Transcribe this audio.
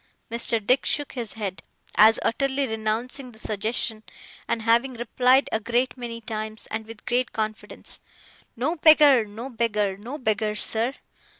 Mr. Dick shook his head, as utterly renouncing the suggestion; and having replied a great many times, and with great confidence, 'No beggar, no beggar, no beggar, sir!